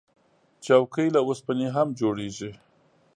چوکۍ له اوسپنې هم جوړیږي.